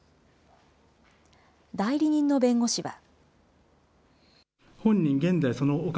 代理人の弁護士は。